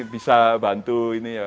bisa bantu ini